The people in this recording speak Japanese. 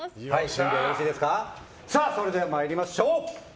それでは参りましょう。